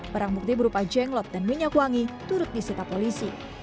barang bukti berupa jenglot dan minyak wangi turut disita polisi